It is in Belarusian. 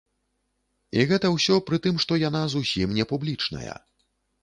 І гэта ўсё пры тым, што яна зусім не публічная.